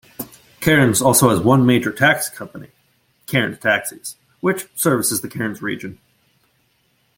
Cairns also has one major taxi company, Cairns Taxis, which services the Cairns region.